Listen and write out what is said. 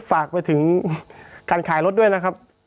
ฝากไปถึงการขายรถด้วยนะครับ